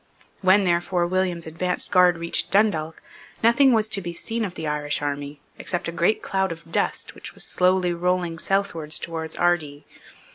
When therefore William's advanced guard reached Dundalk, nothing was to be seen of the Irish Army, except a great cloud of dust which was slowly rolling southwards towards Ardee.